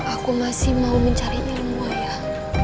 aku masih mau mencari ilmu ayah